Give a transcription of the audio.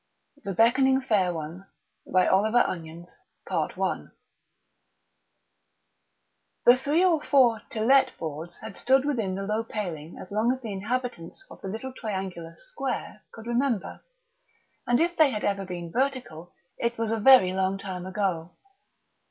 THE ROCKER IX. HIC JACET THE BECKONING FAIR ONE I The three or four "To Let" boards had stood within the low paling as long as the inhabitants of the little triangular "Square" could remember, and if they had ever been vertical it was a very long time ago.